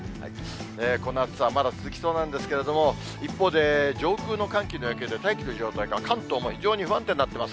この暑さはまだ続きそうなんですけれども、一方で、上空の寒気の影響で、大気の状態が関東も非常に不安定になってます。